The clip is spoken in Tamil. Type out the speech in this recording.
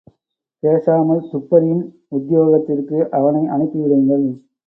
பேசாமல் துப்பறியும் உத்தியோகத்திற்கு அவனை அனுப்பிவிடுங்கள்.